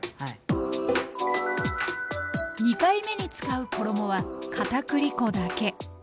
２回目に使う衣はかたくり粉だけ。